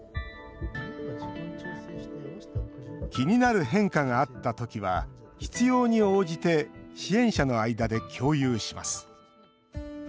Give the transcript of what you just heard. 気になる変化があったときは必要に応じて支援者の間で共有します。